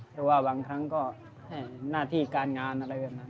หรือว่าบางครั้งก็หน้าที่การงานอะไรเงิน